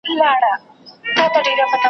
چي وژلی یې د بل لپاره قام وي `